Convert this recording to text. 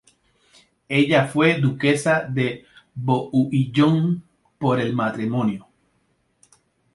Ella fue duquesa de Bouillon por el matrimonio.